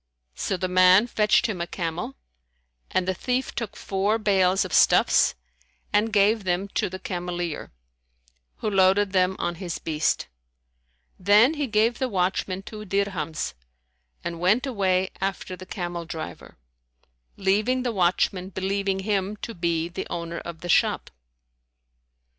So the man fetched him a camel, and the thief took four bales[FN#157] of stuffs and gave them to the cameleer, who loaded them on his beast. Then he gave the watchman two dirhams and went away after the camel driver, leaving the watchman believing him to be the owner of the shop.